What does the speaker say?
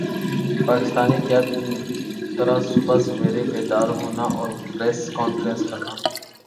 پاکستانی کَیا طرح صبح سویرے بیدار ہونا اور پریس کانفرنس کرنا